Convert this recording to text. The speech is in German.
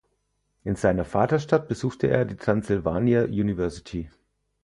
In seiner Vaterstadt besuchte er die Transylvania University.